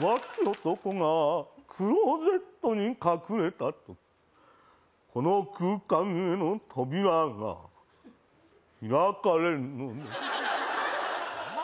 浮気男がクローゼットに隠れた時この空間への扉が開かれるのですはっ